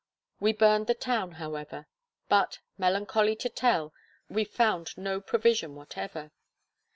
We burned the town, however; but, melancholy to tell, we found no provision whatever.